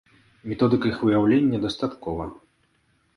Методык іх выяўлення дастаткова.